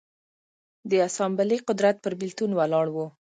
د اسامبلې قدرت پر بېلتون ولاړ و